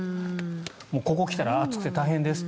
ここに来たら暑くて大変です。